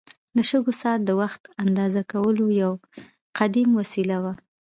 د شګو ساعت د وخت اندازه کولو یو قدیم وسیله وه.